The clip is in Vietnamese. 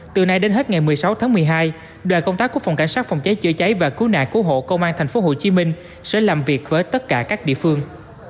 từ nay đến hết ngày một mươi sáu tháng một mươi hai đoàn công tác của phòng cảnh sát phòng cháy chữa cháy và cứu nạn cứu hộ công an tp hcm sẽ làm việc với tất cả các địa phương